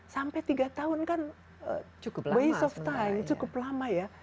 sampai tiga tahun kan cukup waste of time cukup lama ya